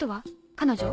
彼女？